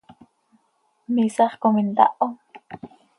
¿Miisax com intaho?